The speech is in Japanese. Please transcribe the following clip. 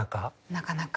なかなか。